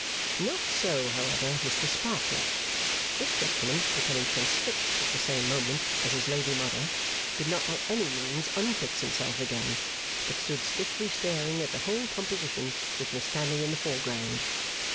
Not so, however, Mr Sparkler. This gentleman, becoming transfixed at the same moment as his lady mother, could not by any means unfix himself again, but stood stiffly staring at the whole composition with Miss Fanny in the Foreground.